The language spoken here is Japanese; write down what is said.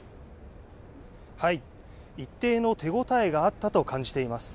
一定の手ごたえがあったと感じています。